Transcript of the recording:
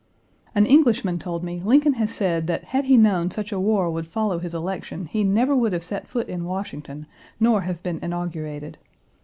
An Englishman told me Lincoln has said that had he Page 203 known such a war would follow his election he never would have set foot in Washington, nor have been inaugurated.